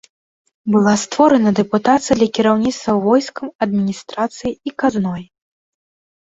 Была створана дэпутацыя для кіраўніцтва войскам, адміністрацыяй і казной.